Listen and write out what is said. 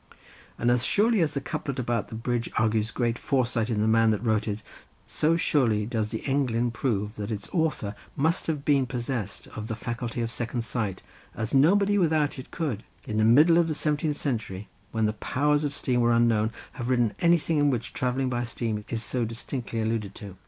And as surely as the couplet about the bridge argues great foresight in the man that wrote it, so surely does the englyn prove that its author must have been possessed of the faculty of second sight, as nobody without it could, in the middle of the seventeenth century, when the powers of steam were unknown, have written anything in which travelling by steam is so distinctly alluded to.